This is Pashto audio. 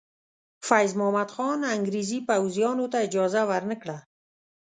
فیض محمد خان انګریزي پوځیانو ته اجازه ور نه کړه.